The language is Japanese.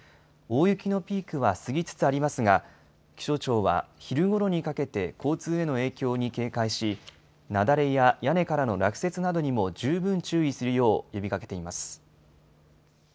大雪のピークは過ぎつつありますが、気象庁は昼ごろにかけて交通への影響に警戒し、雪崩や屋根からの落雪などにも十分注意するよう呼びかけています。